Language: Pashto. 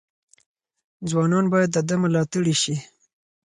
ځوانان باید د ده ملاتړي شي.